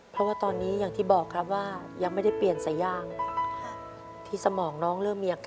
เพราะว่าตอนนี้อย่างที่บอกครับว่ายังไม่ได้เปลี่ยนสายยาง